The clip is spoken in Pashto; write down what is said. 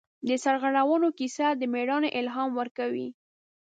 د سرو غرونو کیسه د مېړانې الهام ورکوي.